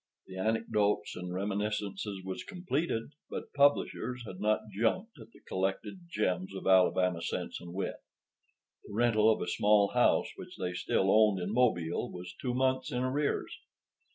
The Anecdotes and Reminiscences was completed, but publishers had not jumped at the collected gems of Alabama sense and wit. The rental of a small house which they still owned in Mobile was two months in arrears.